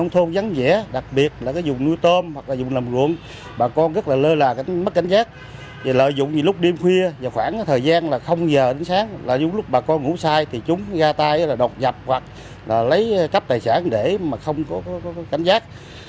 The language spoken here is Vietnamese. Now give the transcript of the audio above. thì lợi dụng lúc đêm khuya và khoảng thời gian là giờ đến sáng lợi dụng lúc bà con ngủ sai thì chúng ra tay là đọc nhập hoặc là lấy cắp tài sản để mà không có cảnh giác